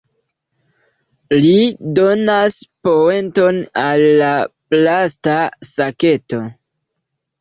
Ri donas poenton al la plasta saketo.